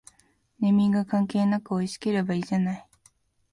ネーミング関係なくおいしければいいじゃない